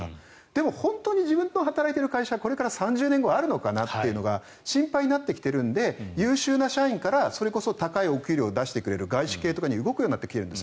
でも、自分が働いている会社がこれから３０年後あるのかなというのが心配になってきているので優秀な社員からそれこそ高い給与を出してくれる外資企業に行ったりする。